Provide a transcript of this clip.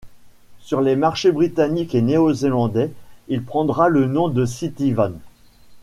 Sur les marchés britanniques et néo-zélandais, il prendra le nom de Cityvan.